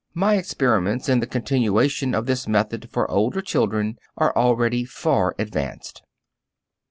My experiments in the continuation of this method for older children are already far advanced.